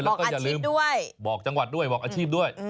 บอกอาชีพด้วยบอกจังหวัดด้วยบอกอาชีพด้วย